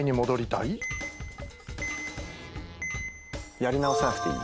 やり直さなくていい。